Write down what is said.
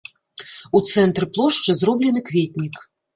У цэнтры плошчы зроблены кветнік.